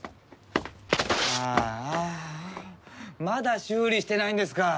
ああまだ修理してないんですか？